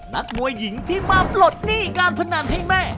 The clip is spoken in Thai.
นักมวยหญิงที่มาปลดหนี้การพนันให้แม่